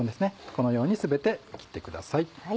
このように全て切ってください。